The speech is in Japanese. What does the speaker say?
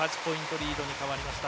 リードに変わりました。